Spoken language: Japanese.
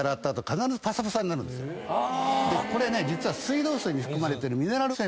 これね実は。